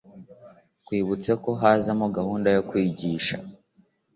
twibutse ko hazamo na gahunda yo kwigisha